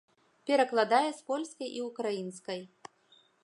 Перакладае з польскай і ўкраінскай.